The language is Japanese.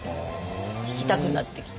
弾きたくなってきた。